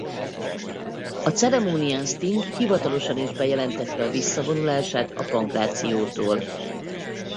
A ceremónián Sting hivatalosan is bejelentette a visszavonulását a pankrációtól.